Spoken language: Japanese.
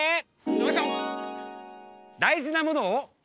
よいしょ！